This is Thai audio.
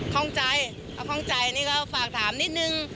ข้องใจข้องใจนี่ก็ฝากถามนิดนึง